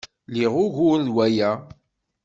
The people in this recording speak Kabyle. Liɣ ugur deg waya.